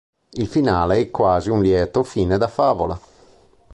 Il finale è quasi un lieto fine da favola.